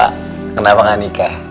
kenapa gak nikah